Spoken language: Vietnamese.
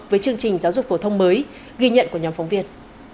với chương trình giáo dục phổ thông mới ghi nhận của nhóm phóng viên